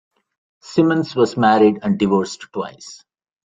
Simmons was married and divorced twice.